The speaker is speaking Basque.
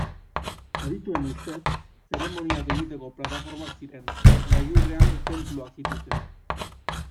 Adituen ustez, zeremoniak egiteko plataformak ziren, gailurrean tenpluak zituztela.